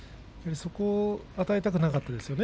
そこを与えたくなかったですね